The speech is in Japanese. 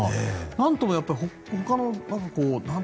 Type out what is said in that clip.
なんとも、ほかの。